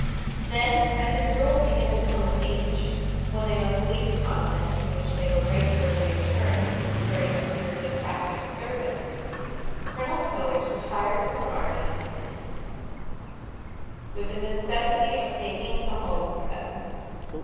Then, as his girls began to come of age when they must leave the convent in which they were regularly interned during his years of active service, Colonel Powys retired from the army with the necessity of making a home for them.